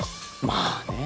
まあね。